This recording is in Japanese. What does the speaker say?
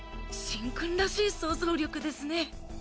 シンくんらしい想像力ですね。